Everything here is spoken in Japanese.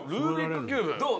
「どう？